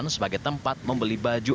sebagai tempat membeli baju